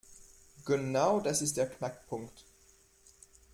Genau das ist der Knackpunkt.